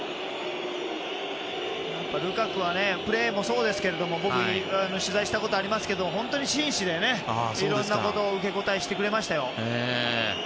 ルカクはプレーもそうですけれども僕、取材したことありますけど本当に紳士でいろんなことを受け答えしてくれましたよ。